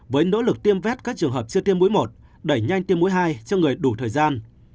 với nỗ lực tiêm vét các trường hợp chưa tiêm mũi một đẩy nhanh tiêm mũi hai cho người đủ thời gian